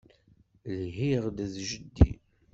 Lhiɣ-d d jeddi.